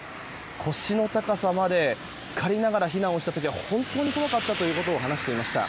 腰の高さまで浸かりながら避難をした時には本当に怖かったと話していました。